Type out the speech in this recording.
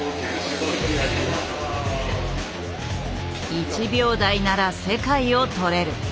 １秒台なら世界をとれる。